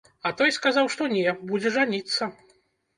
А той сказаў, што не, будзе жаніцца.